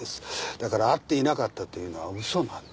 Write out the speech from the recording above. だから会っていなかったというのは嘘なんです。